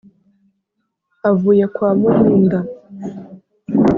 Avuye kwa Muhinda